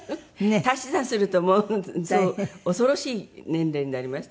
足し算するともう恐ろしい年齢になりましたけど。